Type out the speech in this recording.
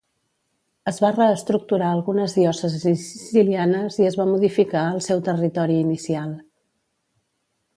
Es va reestructurar algunes diòcesis sicilianes i es va modificar el seu territori inicial.